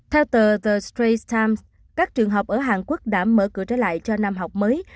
theo tờ the stral times các trường học ở hàn quốc đã mở cửa trở lại cho năm học mới